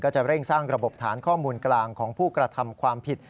จะเร่งสร้างระบบฐานข้อมูลกลางของผู้กระทำความผิด